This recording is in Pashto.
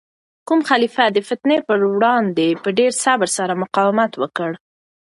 کوم خلیفه د فتنې په وړاندې په ډیر صبر سره مقاومت وکړ؟